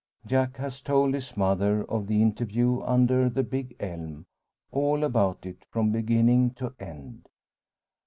Jack has told his mother of the interview under the big elm, all about it from beginning to end.